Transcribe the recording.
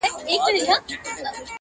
تر څو د تګ په وخت کې